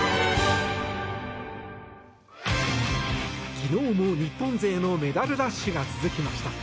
昨日も日本勢のメダルラッシュが続きました。